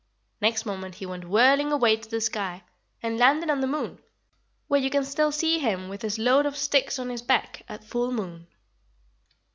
Next moment he went whirling away to the sky, and landed on the moon, where you can still see him with his load of sticks on his back at full moon."